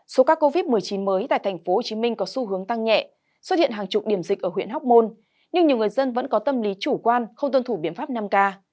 số ca covid một mươi chín mới tại tp hcm có xu hướng tăng nhẹ xuất hiện hàng chục điểm dịch ở huyện hóc môn nhưng nhiều người dân vẫn có tâm lý chủ quan không tuân thủ biện pháp năm k